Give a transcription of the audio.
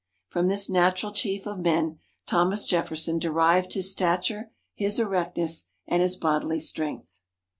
From this natural chief of men, Thomas Jefferson derived his stature, his erectness, and his bodily strength.